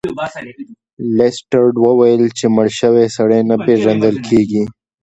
لیسټرډ وویل چې مړ شوی سړی نه پیژندل کیږي.